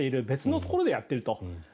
別のところでやっていると。